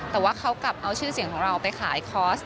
แต่ว่าเขากลับเอาชื่อเสียงของเราไปขายคอร์ส